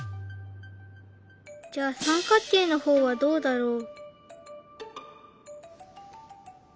じゃあ三角形の方はどうだろう？